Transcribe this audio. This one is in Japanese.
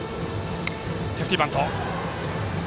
セーフティーバント。